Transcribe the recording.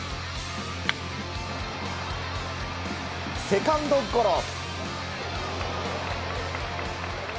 セカンドゴロ。